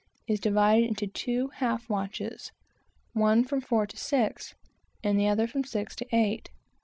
is divided into two half, or dog watches, one from four to six, and the other from six to eight.